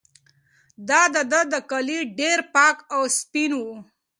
د ده کالي ډېر پاک او سپین وو.